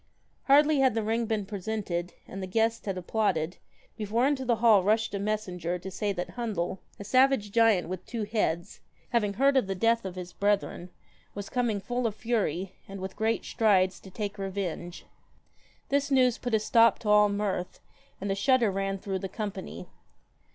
Hardly had the ring been presented, and the guests had applauded, before into the hall rushed a messenger to say that Hundel, a savage giant, 190 with two heads, having heard of the death of his JACK THE brethren, was coming full of fury, and with great strides, to take revenge. This news put a stop to all mirth, and a shudder ran through the company.